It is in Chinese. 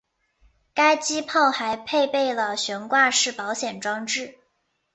该机炮还配备了悬挂式保险装置。